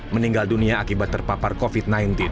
meninggal dunia akibat terpapar covid sembilan belas